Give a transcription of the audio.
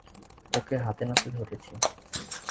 ওকে হাতেনাতে ধরেছি।